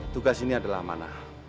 tugas ini adalah amanah